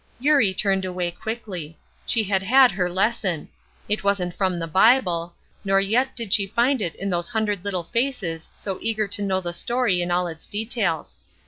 Eurie turned away quickly. She had had her lesson. It wasn't from the Bible, nor yet did she find it in those hundred little faces so eager to know the story in all its details.